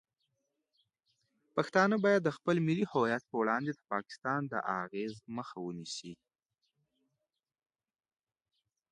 پښتانه باید د خپل ملي هویت په وړاندې د پاکستان د اغیز مخه ونیسي.